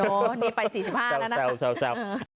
นี่ไป๔๕แล้วนะ